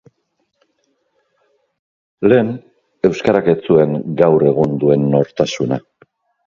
Lehen, euskarak ez zuen gaur egun duen nortasuna.